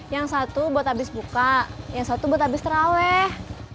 yang satu buat habis buka yang satu buat habis terawih